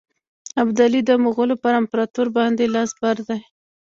ابدالي د مغولو پر امپراطور باندي لاس بر دی.